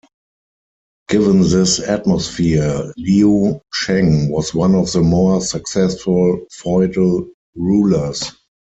Given this atmosphere Liu Sheng was one of the more successful feudal rulers.